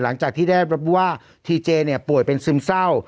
หลังจากที่ได้รับรู้ว่าทีเจเนี่ยป่วยเป็นซึมเศร้า